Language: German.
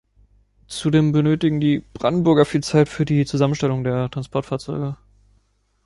Zudem benötigten die Brandenburger viel Zeit für die Zusammenstellung der Transportfahrzeuge.